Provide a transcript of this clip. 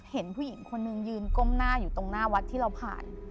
เห็นผู้หญิงคนนึงยืนก้มหน้าอยู่ตรงหน้าวัดที่เราผ่าน